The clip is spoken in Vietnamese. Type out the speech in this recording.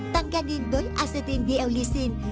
tăng ganin với acetin dl leucine